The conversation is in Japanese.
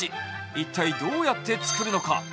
一体どうやって作るのか。